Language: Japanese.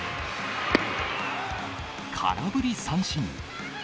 空振り三振。